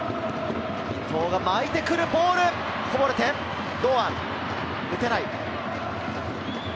伊東が巻いてくるボール、こぼれて堂安打てない。